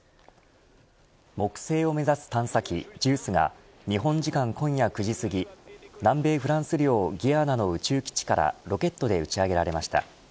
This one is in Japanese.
木星を目指す探査機ＪＵＩＣＥが日本時間今夜９時すぎ南米フランス領ギアナの宇宙基地から、ロケットで打ち上げられました。